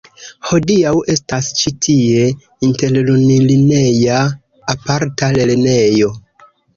Hodiaŭ estas ĉi tie internulineja aparta lernejo.